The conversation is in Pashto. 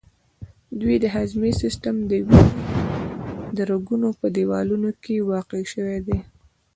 دوی د هضمي سیستم، د وینې د رګونو په دیوالونو کې واقع شوي دي.